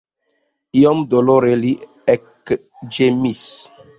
Iom dolore li ekĝemis.